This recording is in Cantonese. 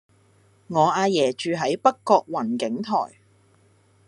我阿爺住喺北角雲景台